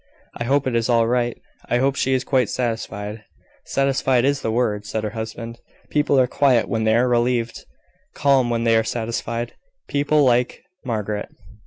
"I hope it is all right. I hope she is quite satisfied." "Satisfied is the word," said her husband. "People are quiet when they are relieved calm when they are satisfied people like Margaret.